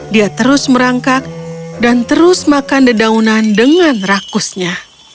dia terus merangkak dan terus makan dedaunan dengan rakusnya